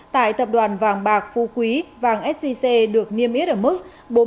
tại tập đoàn vàng bạc phu quý vàng sgc được niêm yết ở mức